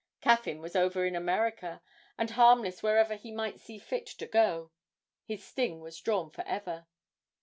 Caffyn was over in America, and harmless wherever he might see fit to go his sting was drawn for ever.